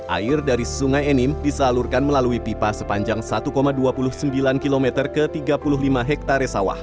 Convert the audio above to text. air dari sungai enim disalurkan melalui pipa sepanjang satu dua puluh sembilan km ke tiga puluh lima hektare sawah